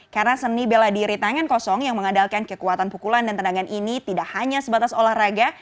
karena seni bela diri tangan kosong yang mengadalkan kekuatan pukulan dan tendangan ini tidak hanya sebatas olahraga